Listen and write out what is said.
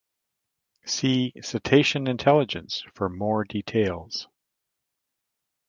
See cetacean intelligence for more details.